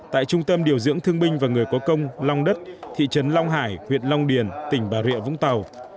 tại trung tâm điều dưỡng thương binh và người có công long đất thị trấn long hải huyện long điền tỉnh bà rịa vũng tàu